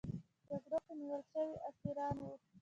جګړو کې نیول شوي اسیران وو.